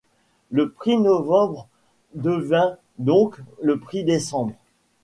Le prix Novembre devint donc le prix Décembre.